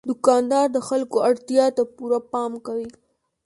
دوکاندار د خلکو اړتیا ته پوره پام کوي.